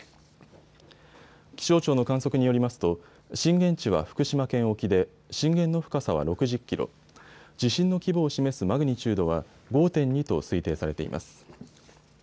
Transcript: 気象庁の観測によりますと震源地は福島県沖で震源の深さは６０キロ、地震の規模を示すマグニチュードは５．２と推定されています。